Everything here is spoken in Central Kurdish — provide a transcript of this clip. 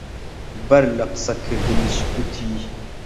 بەر لە قسە کردنیش گوتی: